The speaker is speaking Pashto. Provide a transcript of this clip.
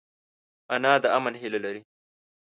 انا د امن هیله لري